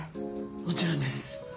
もちろんです。